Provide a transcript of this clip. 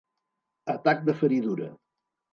Atac de feridura.